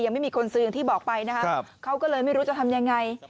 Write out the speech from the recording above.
ยังไม่มีคนซื้ออย่างที่บอกไปนะครับเขาก็เลยไม่รู้จะทำยังไง